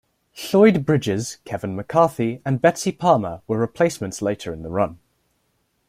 Lloyd Bridges, Kevin McCarthy, and Betsy Palmer were replacements later in the run.